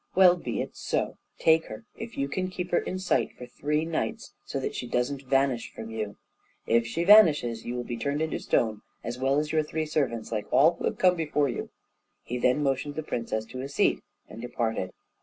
Well, be it so! Take her, if you can keep her in sight for three nights, so that she doesn't vanish from you. If she vanishes, you will be turned into stone as well as your three servants; like all who have come before you." He then motioned the princess to a seat and departed.